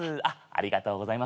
ありがとうございます。